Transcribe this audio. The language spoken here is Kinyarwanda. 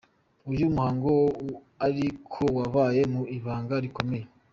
Uyu muhango wo ariko wabaye mu ibanga rikomeye.